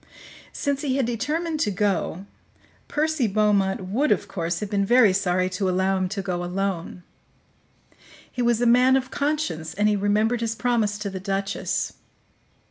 Since he had determined to go, Percy Beaumont would, of course, have been very sorry to allow him to go alone; he was a man of conscience, and he remembered his promise to the duchess.